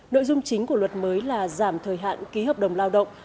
nội dung chính của luật mới là giảm thời hạn ký hợp đồng lao động